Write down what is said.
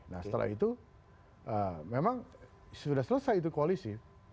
nah setelah itu memang sudah selesai itu koalisi